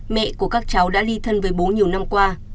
mẹ của các cháu đã ly thân với bố nhiều năm qua